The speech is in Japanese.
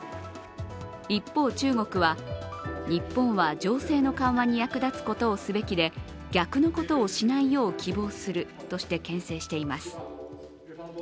一方、中国は、日本は情勢の緩和に役立つことをすべきで逆のことをしないよう希望するとして、けん制しています。